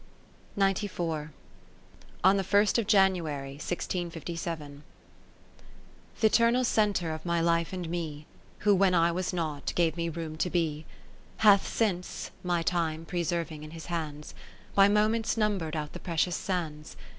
70 On the first of January, 1657 Th' Eternal Centre of my life and me, A\'ho when I was not, gave me room to be, Hath since (my time preserving in his hands) By moments number'd out the precious sands.